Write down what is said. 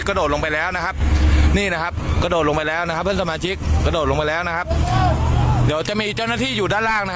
กระโดดลงไปแล้วต้มจริง